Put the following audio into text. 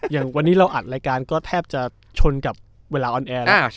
อย่างวันนี้เราอัดรายการก็แทบจะชนกับเวลาออนแอร์แล้ว